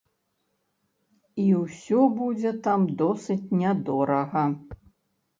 І усё будзе там досыць нядорага.